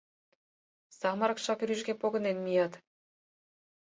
Самырыкшак рӱжге погынен мият.